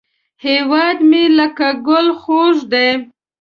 هیواد مې لکه ګل خوږ دی